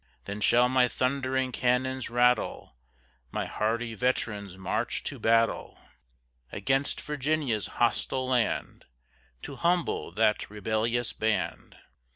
Then shall my thundering cannons rattle, My hardy veterans march to battle, Against Virginia's hostile land, To humble that rebellious band.